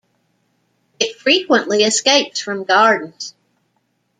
It frequently escapes from gardens.